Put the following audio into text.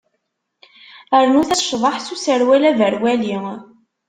Rnut-as ccḍeḥ s userwal aberwali!